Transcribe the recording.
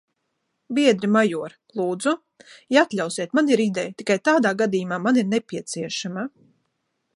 -Biedri, major. -Lūdzu? -Ja atļausiet, man ir ideja. Tikai tādā gadījumā man ir nepieciešama...